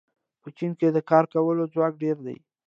په چین کې د کار کولو ځواک ډېر دی.